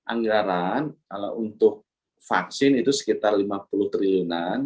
anggaran kalau untuk vaksin itu sekitar lima puluh triliunan